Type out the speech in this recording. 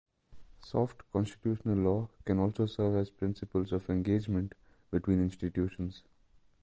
Soft constitutional law can also serve as principles of engagement between institutions.